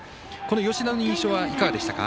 吉田の印象はいかがでしたか。